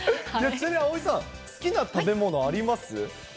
葵さん、好きな食べ物、あります？